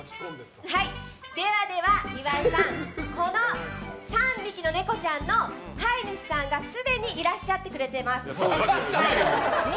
では、岩井さんこの３匹のネコちゃんの飼い主さんがすでにいらっしゃってくれています。